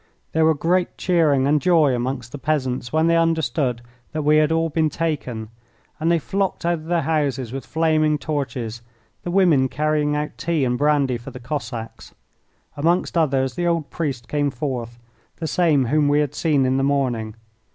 There were great cheering and joy amongst the peasants when they understood that we had all been taken, and they flocked out of their houses with flaming torches, the women carrying out tea and brandy for the Cossacks. Amongst others the old priest came forth the same whom we had seen in the morning.